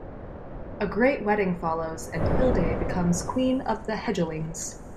A great wedding follows and Hilde becomes queen of the Hegelings.